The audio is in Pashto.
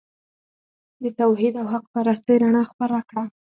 د توحید او حق پرستۍ رڼا خپره کړه.